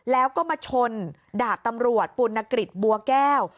แล้วก็มาชนดาบตำรวจปุณกฤษบัวแก้ว